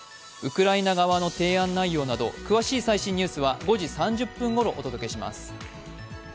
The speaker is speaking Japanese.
ウクライナ側の提案内容など詳しい最新ニュースは５時３０分頃お届けします。